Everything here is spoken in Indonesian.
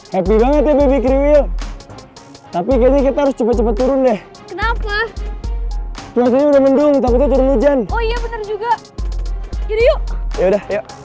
tapi banget tapi kita harus cepet cepet turun deh kenapa udah menunggu hujan oh iya bener juga